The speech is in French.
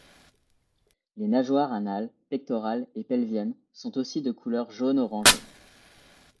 Les nageoires anales, pectorales et pelviennes sont aussi de couleur jaune-orangé.